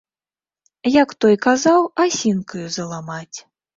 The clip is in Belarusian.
Як той казаў, асінкаю заламаць.